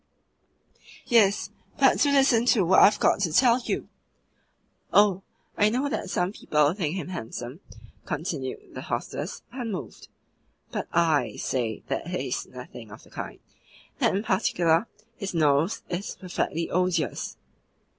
"Yes, but do listen to what I have got to tell you." "Oh, I know that some people think him handsome," continued the hostess, unmoved; "but I say that he is nothing of the kind that, in particular, his nose is perfectly odious."